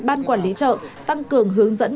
ban quản lý chợ tăng cường hướng dẫn